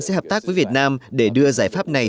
sẽ hợp tác với việt nam để đưa giải pháp này